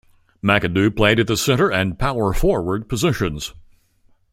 McAdoo played at the center and power forward positions.